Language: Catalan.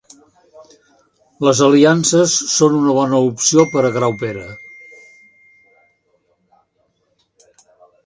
Les aliances són una bona opció per a Graupera